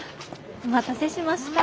お待たせしました。